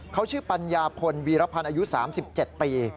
เขาชื่อปัญญาพลวีรพันธ์อายุ๓๗ปี